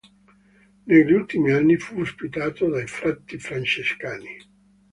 Negli ultimi anni fu ospitato dai frati francescani.